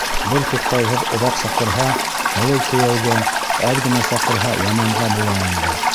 Бер туҡтауһыҙ оҙаҡ саҡырһа — һылыу кейәүгә, әҙ генә саҡырһа, яманға була инде.